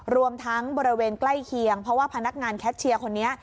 รวมทั้งบริเวณใกล้เคียงเพราะว่าพนักงานแคทเชียร์คนนี้